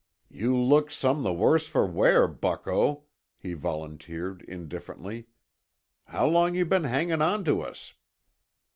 "You look some the worse for wear, bucko," he volunteered indifferently. "How long you been hangin' onto us?"